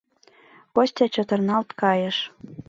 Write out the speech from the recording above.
Костя чытырналт кайыш...